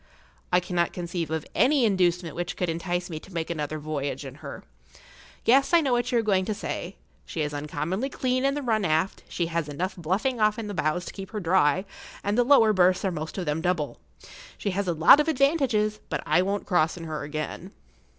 I cannot conceive of any inducement which could entice me to make another voyage in her. Yes, I know what you are going to say. She is uncommonly clean in the run aft, she has enough bluffing off in the bows to keep her dry, and the lower berths are most of them double. She has a lot of advantages, but I won't cross in her again.